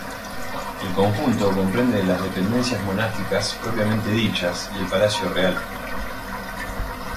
El conjunto comprende las dependencias monásticas propiamente dichas y el Palacio Real.